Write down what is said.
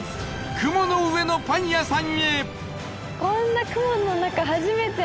雲の上のパン屋さんへ